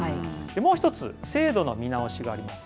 もう一つ、制度の見直しがあります。